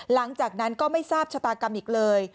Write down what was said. หลังจากนั้นก็ไม่ทราบชะตากรรมอีกเลย